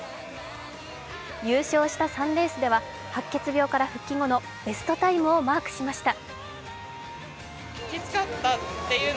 優勝した３レースでは白血病から復帰後のベストタイムをマークしました。